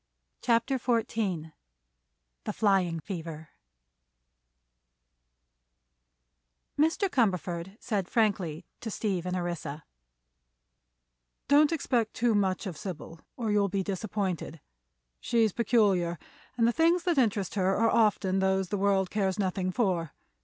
CHAPTER XIV THE FLYING FEVER Mr. Cumberford said frankly to Steve and Orissa: "Don't expect too much of Sybil, or you'll be disappointed. She's peculiar, and the things that interest her are often those the world cares nothing for.